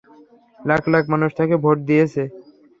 লাখ লাখ মানুষ তাকে ভোট দিয়েছে।